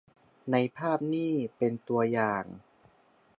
ในภาพนี่เป็นตัวอย่าง